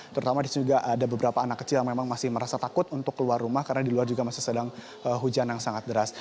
terutama di sini juga ada beberapa anak kecil yang memang masih merasa takut untuk keluar rumah karena di luar juga masih sedang hujan yang sangat deras